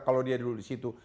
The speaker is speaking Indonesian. kalau dia dulu di situ